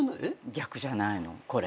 逆じゃないのこれが。